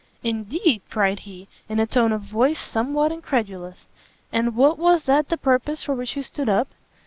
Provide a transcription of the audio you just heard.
"Indeed?" cried he, in a tone of voice somewhat incredulous, "and was that the purpose for which you stood up?"